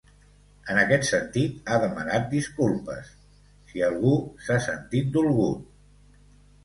En aquest sentit, ha demanat disculpes “si algú s’ha sentit dolgut”.